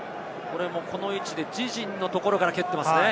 この位置で自陣のところから蹴っていますね。